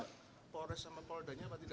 pores sama poldanya apa tidak jalan